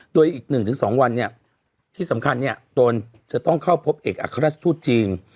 โดยอีก๑๒วันเนี่ยที่สำคัญเนี่ยโตนจะต้องเข้าพบเอกอัครรัฐสู้จริง